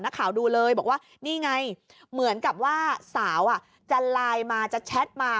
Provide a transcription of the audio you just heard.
ข่าวดูเลยบอกว่านี่ไงเหมือนกับว่าสาวจะไลน์มาจะแชทมา